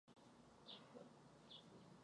Je kriticky ohrožený.